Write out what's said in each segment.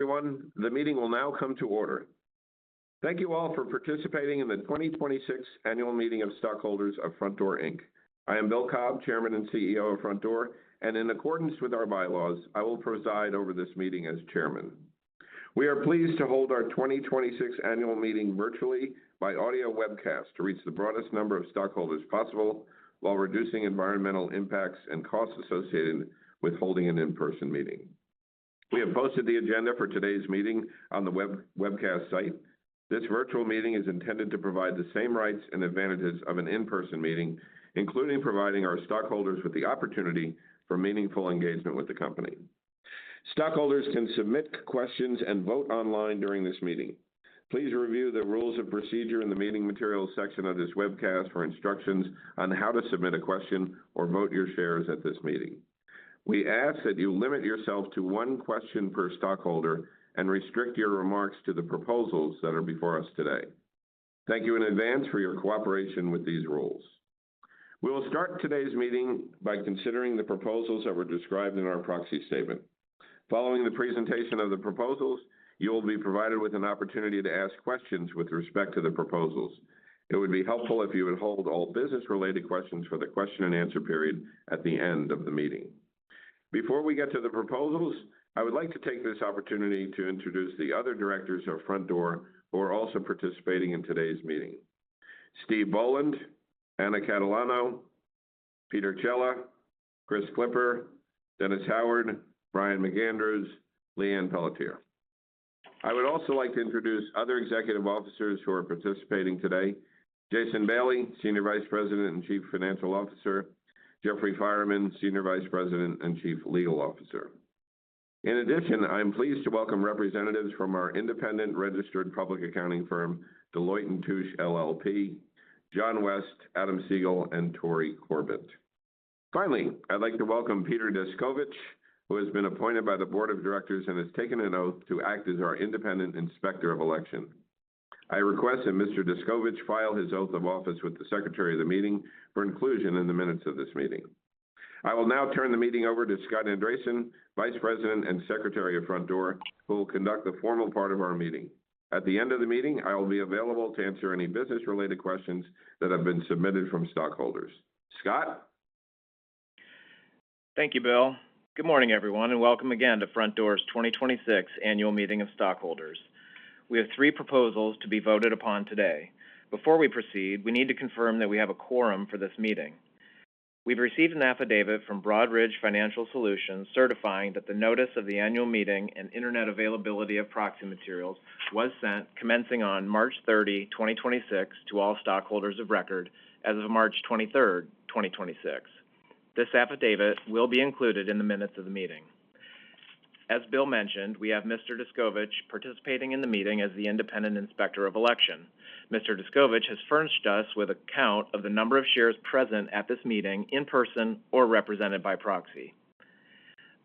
Everyone, the meeting will now come to order. Thank you all for participating in the 2026 annual meeting of stockholders of Frontdoor, Inc. I am Bill Cobb, Chairman and CEO of Frontdoor, and in accordance with our bylaws, I will preside over this meeting as Chairman. We are pleased to hold our 2026 annual meeting virtually by audio webcast to reach the broadest number of stockholders possible while reducing environmental impacts and costs associated with holding an in-person meeting. We have posted the agenda for today's meeting on the webcast site. This virtual meeting is intended to provide the same rights and advantages of an in-person meeting, including providing our stockholders with the opportunity for meaningful engagement with the company. Stockholders can submit questions and vote online during this meeting. Please review the rules of procedure in the Meeting Materials section of this webcast for instructions on how to submit a question or vote your shares at this meeting. We ask that you limit yourself to one question per stockholder and restrict your remarks to the proposals that are before us today. Thank you in advance for your cooperation with these rules. We will start today's meeting by considering the proposals that were described in our proxy statement. Following the presentation of the proposals, you will be provided with an opportunity to ask questions with respect to the proposals. It would be helpful if you would hold all business-related questions for the question and answer period at the end of the meeting. Before we get to the proposals, I would like to take this opportunity to introduce the other directors of Frontdoor who are also participating in today's meeting. Steve Boland, Anna Catalano, Peter Cella, Chris Clipper, Dennis Howard, Brian McAndrews, Liane Pelletier. I would also like to introduce other executive officers who are participating today. Jason Bailey, Senior Vice President and Chief Financial Officer. Jeffrey Fiarman, Senior Vice President and Chief Legal Officer. In addition, I am pleased to welcome representatives from our independent registered public accounting firm, Deloitte & Touche LLP, John West, Adam Siegel, and Tori Corbett. Finally, I'd like to welcome Peter Descovich, who has been appointed by the board of directors and has taken an oath to act as our independent inspector of election. I request that Mr. Descovich file his oath of office with the Secretary of the meeting for inclusion in the minutes of this meeting. I will now turn the meeting over to Scott Andresen, Vice President and Secretary of Frontdoor, who will conduct the formal part of our meeting. At the end of the meeting, I will be available to answer any business-related questions that have been submitted from stockholders. Scott? Thank you, Bill. Good morning, everyone, and welcome again to Frontdoor's 2026 annual meeting of stockholders. We have three proposals to be voted upon today. Before we proceed, we need to confirm that we have a quorum for this meeting. We've received an affidavit from Broadridge Financial Solutions certifying that the notice of the annual meeting and internet availability of proxy materials was sent commencing on March 30th, 2026, to all stockholders of record as of March 23rd, 2026. This affidavit will be included in the minutes of the meeting. As Bill mentioned, we have Mr. Descovich participating in the meeting as the independent inspector of election. Mr. Descovich has furnished us with a count of the number of shares present at this meeting in person or represented by proxy.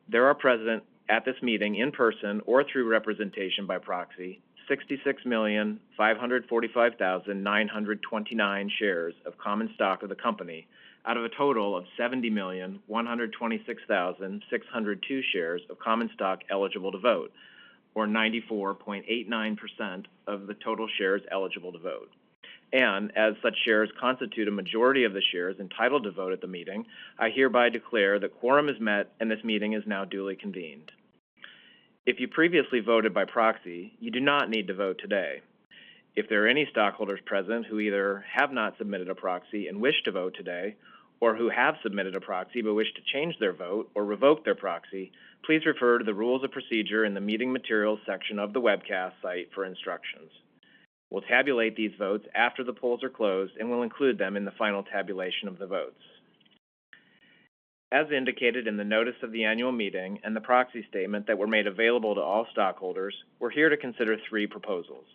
There are present at this meeting in person or through representation by proxy 66,545,929 shares of common stock of the company out of a total of 70,126,602 shares of common stock eligible to vote or 94.89% of the total shares eligible to vote. As such shares constitute a majority of the shares entitled to vote at the meeting, I hereby declare that quorum is met and this meeting is now duly convened. If you previously voted by proxy, you do not need to vote today. If there are any stockholders present who either have not submitted a proxy and wish to vote today, or who have submitted a proxy but wish to change their vote or revoke their proxy, please refer to the rules of procedure in the Meeting Materials section of the webcast site for instructions. We'll tabulate these votes after the polls are closed and will include them in the final tabulation of the votes. As indicated in the notice of the annual meeting and the proxy statement that were made available to all stockholders, we're here to consider three proposals.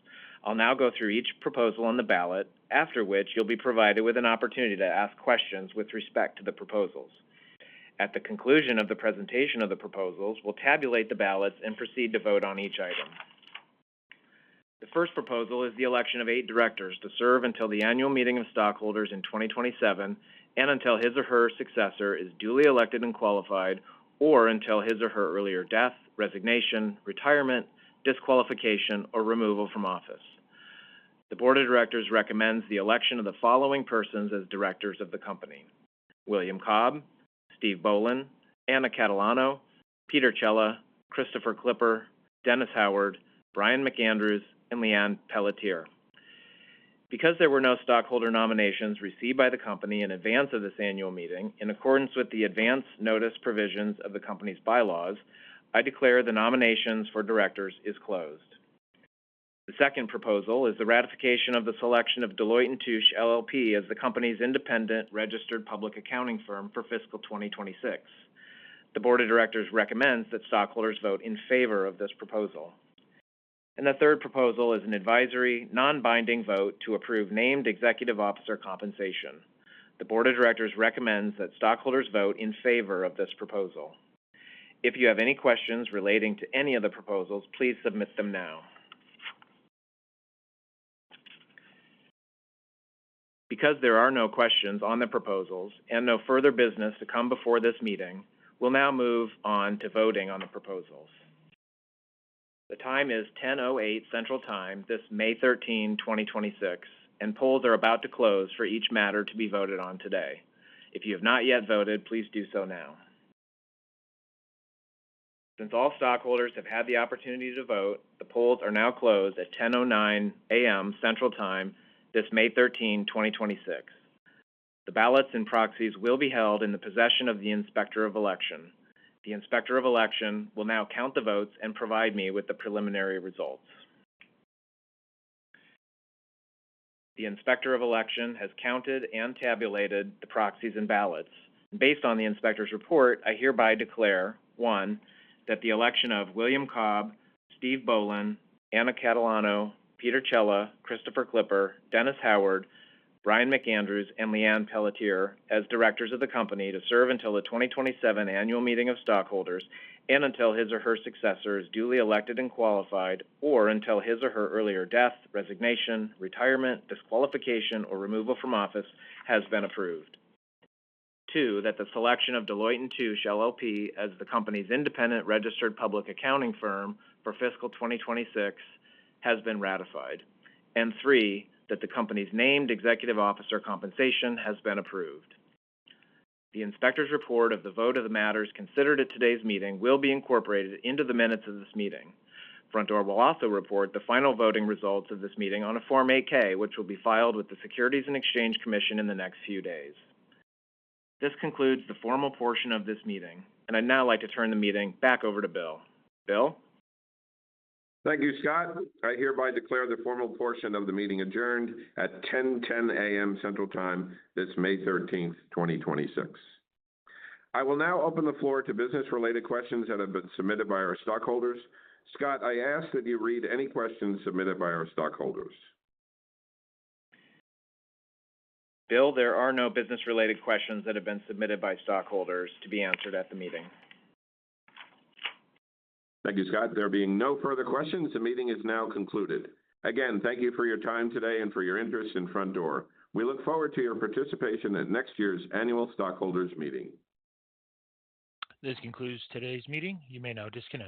I'll now go through each proposal on the ballot, after which you'll be provided with an opportunity to ask questions with respect to the proposals. At the conclusion of the presentation of the proposals, we'll tabulate the ballots and proceed to vote on each item. The first proposal is the election of eight directors to serve until the annual meeting of stockholders in 2027 and until his or her successor is duly elected and qualified, or until his or her earlier death, resignation, retirement, disqualification, or removal from office. The board of directors recommends the election of the following persons as directors of the company: William Cobb, Steve Boland, Anna Catalano, Peter Cella, Christopher Clipper, Dennis Howard, Brian McAndrews, and Liane Pelletier. Because there were no stockholder nominations received by the company in advance of this annual meeting, in accordance with the advance notice provisions of the company's bylaws, I declare the nominations for directors is closed. The second proposal is the ratification of the selection of Deloitte & Touche, LLP as the company's independent registered public accounting firm for fiscal 2026. The board of directors recommends that stockholders vote in favor of this proposal. The third proposal is an advisory, non-binding vote to approve named executive officer compensation. The board of directors recommends that stockholders vote in favor of this proposal. If you have any questions relating to any of the proposals, please submit them now. Because there are no questions on the proposals and no further business to come before this meeting, we'll now move on to voting on the proposals. The time is 10:08 A.M. Central Time, this May 13th, 2026, and polls are about to close for each matter to be voted on today. If you have not yet voted, please do so now. Since all stockholders have had the opportunity to vote, the polls are now closed at 10:09 A.M. Central Time, this May 13th, 2026. The ballots and proxies will be held in the possession of the Inspector of Election. The Inspector of Election will now count the votes and provide me with the preliminary results. The Inspector of Election has counted and tabulated the proxies and ballots. Based on the inspector's report, I hereby declare, one, that the election of William Cobb, Steve Boland, Anna Catalano, Peter Cella, Christopher Clipper, Dennis Howard, Brian McAndrews, and Liane Pelletier as directors of the company to serve until the 2027 annual meeting of stockholders and until his or her successor is duly elected and qualified, or until his or her earlier death, resignation, retirement, disqualification, or removal from office has been approved. Two, that the selection of Deloitte & Touche LLP as the company's independent registered public accounting firm for fiscal 2026 has been ratified. Three, that the company's named executive officer compensation has been approved. The inspector's report of the vote of the matters considered at today's meeting will be incorporated into the minutes of this meeting. Frontdoor will also report the final voting results of this meeting on a Form 8-K, which will be filed with the Securities and Exchange Commission in the next few days. This concludes the formal portion of this meeting, and I'd now like to turn the meeting back over to Bill. Bill? Thank you, Scott. I hereby declare the formal portion of the meeting adjourned at 10:10 A.M. Central Time, this May 13th, 2026. I will now open the floor to business-related questions that have been submitted by our stockholders. Scott, I ask that you read any questions submitted by our stockholders. Bill, there are no business-related questions that have been submitted by stockholders to be answered at the meeting. Thank you, Scott. There being no further questions, the meeting is now concluded. Again, thank you for your time today and for your interest in Frontdoor. We look forward to your participation at next year's annual stockholders meeting. This concludes today's meeting. You may now disconnect.